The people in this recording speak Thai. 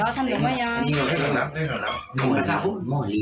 หม่อเหลี่ยม